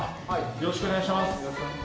よろしくお願いします